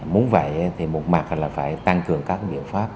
muốn vậy thì một mặt là phải tăng cường các biện pháp